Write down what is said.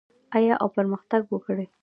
آیا او پرمختګ وکړي؟